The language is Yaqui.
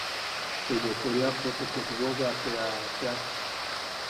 Te yokoriapo te ketwo bea te a teak.